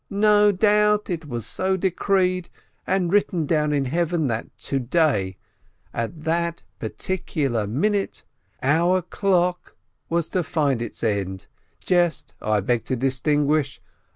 "No doubt it was so decreed and written down in Heaven that to day, at that par ticular minute, our clock was to find its end, just (I beg to distinguish!)